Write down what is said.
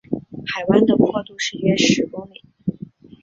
海湾的阔度是约十公里。